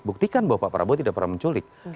buktikan bahwa pak prabowo tidak pernah menculik